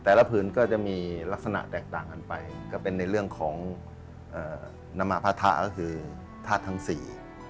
ผืนก็จะมีลักษณะแตกต่างกันไปก็เป็นในเรื่องของน้ำมาพระทะก็คือธาตุทั้งสี่